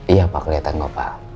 iya pak keliatan bapak